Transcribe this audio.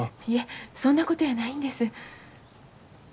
いえそんなことやないんです。